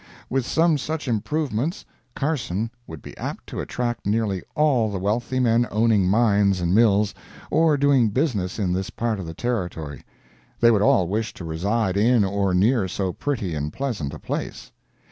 With some such improvements Carson would be apt to attract nearly all the wealthy men owning mines and mills, or doing business in this part of the Territory—they would all wish to reside in or near so pretty and pleasant a place.